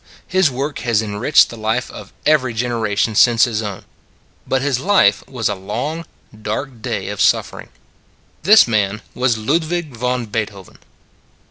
His work has enriched the life of every generation since his own : but his life was a long, dark day of suffering. This man was Ludwig von Beethoven.